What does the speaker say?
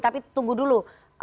tapi tunggu dulu